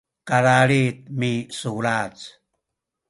kalalid misulac